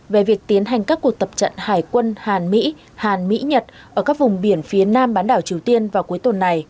về việc tiến hành các cuộc tập trận hải quân hàn mỹ hàn mỹ nhật ở các vùng biển phía nam bán đảo triều tiên vào cuối tuần này